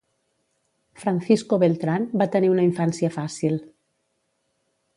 Francisco Beltrán va tenir una infància fàcil.